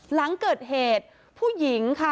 หลังเกิดเหตุผู้หญิงค่ะ